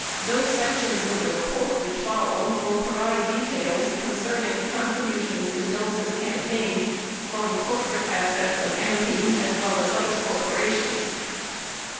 Those sections of the report which follow will provide details concerning contributions to Mills' campaign from corporate assets of AMPI (as well as other corporations)